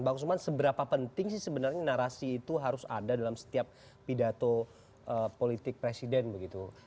bang usman seberapa penting sih sebenarnya narasi itu harus ada dalam setiap pidato politik presiden begitu